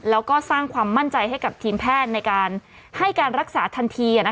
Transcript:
แล้วก็สร้างความมั่นใจให้กับทีมแพทย์ในการให้การรักษาทันที